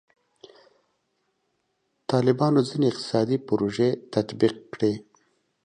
طالبانو ځینې اقتصادي پروژې تطبیق کړي.